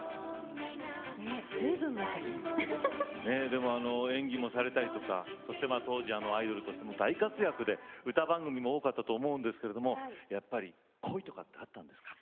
でもあの演技もされたりとかそして当時アイドルとしても大活躍で歌番組も多かったと思うんですけれどもやっぱり恋とかってあったんですか？